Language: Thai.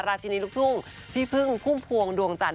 ชินีลูกทุ่งพี่พึ่งพุ่มพวงดวงจันท